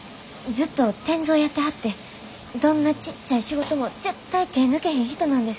ずっと転造をやってはってどんなちっちゃい仕事も絶対手ぇ抜けへん人なんです。